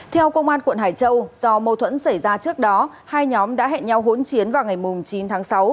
theo công an quận hải châu do mâu thuẫn xảy ra trước đó hai nhóm đã hẹn nhau hỗn chiến vào ngày chín tháng sáu